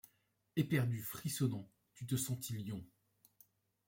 Éperdu, frissonnant, tu te sentis lion !